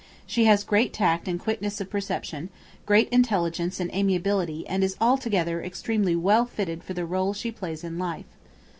She has great tact and quickness of perception, great intelligence and amiability and is altogether extremely well fitted for the rôle she plays in life.